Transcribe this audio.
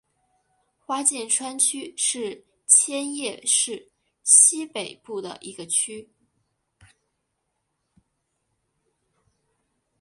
花见川区是千叶市西北部的一个区。